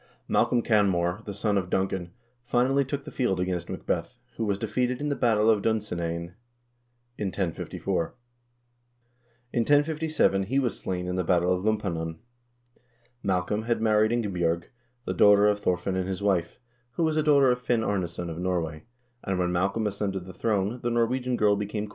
4 Malcolm Canmore, the son of Duncan, finally took the field against Macbeth, who was defeated in the battle of Dunsinane in 1054. In 1057 he was slain in the battle of Lumphanan. Malcolm had married Inge bj0rg, the daughter of Thorfinn and his wife, who was a daughter of Finn Arnesson of Norway, and when Malcolm ascended the throne, the Norwegian girl became queen of Scotland.